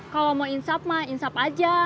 kalau mau insap mah insap aja